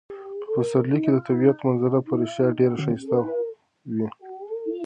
په پسرلي کې د طبیعت منظره په رښتیا ډیره ښایسته وي.